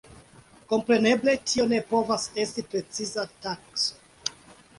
Kompreneble tio ne povas esti preciza takso.